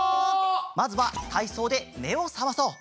まずはたいそうでめをさまそう！